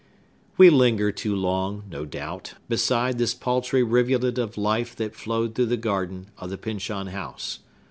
We linger too long, no doubt, beside this paltry rivulet of life that flowed through the garden of the Pyncheon House.